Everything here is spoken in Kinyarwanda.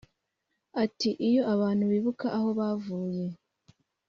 Ati "Iyo abantu bibuka aho bavuye